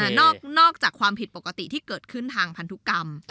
นอกจากความผิดปกติที่เกิดขึ้นทางพันธุกรรม